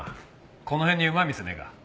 この辺にうまい店ねえか？